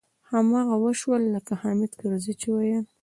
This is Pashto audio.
هماغه و شول لکه حامد کرزي چې ويل.